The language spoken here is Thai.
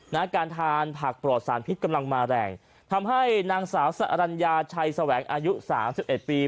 การทานผักปลอดสารพิษกำลังมาแรงทำให้นางสาวสอรัญญาชัยแสวงอายุสามสิบเอ็ดปี